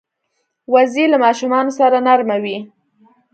وزې له ماشومانو سره نرمه وي